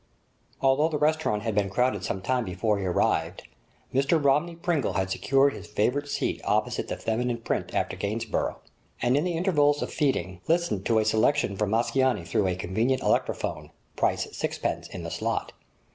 Although the restaurant had been crowded some time before he arrived, Mr Romney Pringle had secured his favourite seat opposite the feminine print after Gainsborough, and in the intervals of feeding listened to a selection from Mascagni through a convenient electrophone, price sixpence in the slot.